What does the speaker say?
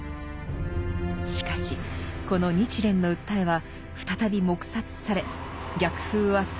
しかしこの日蓮の訴えは再び黙殺され逆風は強まりました。